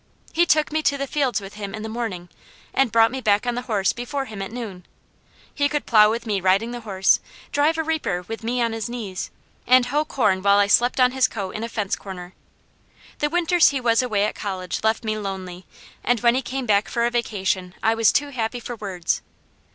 He took me to the fields with him in the morning and brought me back on the horse before him at noon. He could plow with me riding the horse, drive a reaper with me on his knees, and hoe corn while I slept on his coat in a fence corner. The winters he was away at college left me lonely, and when he came back for a vacation I was too happy for words.